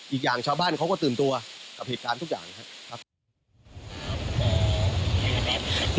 อีกอย่างชาวบ้านเขาก็ตื่นตัวกับเหตุการณ์ทุกอย่างครับ